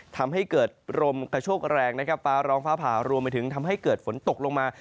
ทำให้เกิดลมกระโชกแรงนะครับฟ้าร้องฟ้าผ่ารวมไปถึงทำให้เกิดฝนตกลงมา